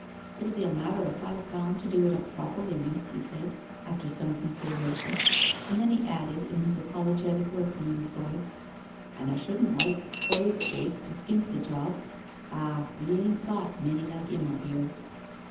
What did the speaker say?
" It'll be a matter of five pound to do it up properly, miss," he said after some considera tion, and then he added in his apologetic workman's voice, "and I shouldn't like, for 'is sake, to skimp the job. Ah ! we aint got many like 'im up 'ere."